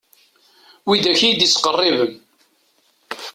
Wid akk iyi-d-ittqerriben.